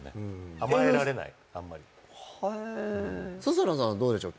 甘えられないあんまりへえどうでしょう